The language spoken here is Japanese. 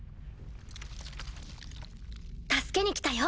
助けに来たよ